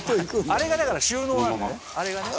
「あれがだから収納なんだねあれがね」